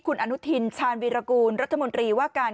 คุณอนุทินชาญวีรกูลรัฐมนตรีว่าการ